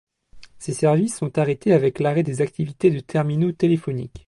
Ces services sont arrêtés avec l'arrêt des activités de terminaux téléphoniques.